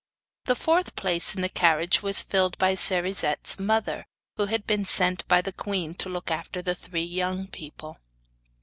The fourth place in the carriage was filled by Cerisette's mother, who had been sent by the queen to look after the three young people.